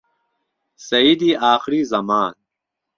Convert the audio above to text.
سهەییدی ئاخری زهمان